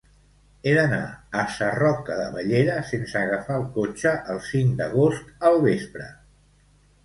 He d'anar a Sarroca de Bellera sense agafar el cotxe el cinc d'agost al vespre.